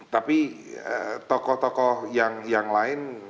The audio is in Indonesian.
tapi tokoh tokoh yang lain